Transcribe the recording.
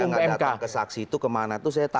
saya nggak datang ke saksi itu kemana itu saya tahu